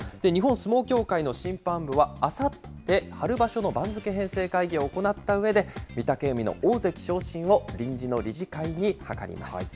日本相撲協会の審判部は、あさって、春場所の番付編成会議を行ったうえで、御嶽海の大関昇進を臨時の理事会に諮ります。